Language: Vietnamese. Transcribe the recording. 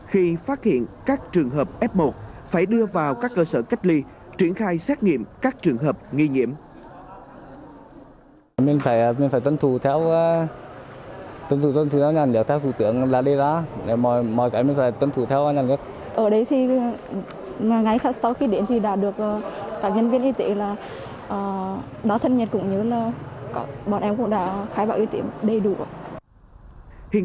khi phát hiện các trường hợp f một phải đưa vào các cơ sở cách ly triển khai xét nghiệm các trường hợp nghi nhiễm